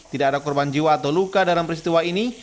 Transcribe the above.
tidak ada korban jiwa atau luka dalam peristiwa ini